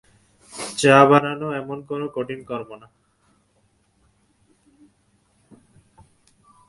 চা বানানো এমন কোনো কঠিন কর্ম না।